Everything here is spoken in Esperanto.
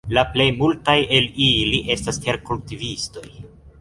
La plej multaj el ili estas terkultivistoj.